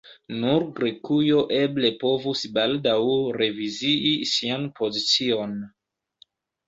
Nur Grekujo eble povus baldaŭ revizii sian pozicion.